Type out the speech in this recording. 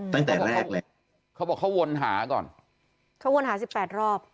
ตั้งแต่แรกเลยเขาบอกเขาวนหาก่อนเขาวนหาสิบแปดรอบ